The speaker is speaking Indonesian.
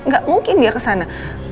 gak mungkin dia kesana